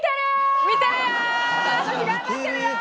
私頑張ってるよ！